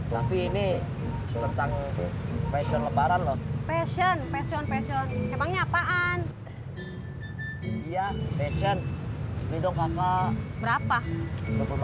tapi ini tentang fashion lebaran loh fashion pasion pasion segalanya apaan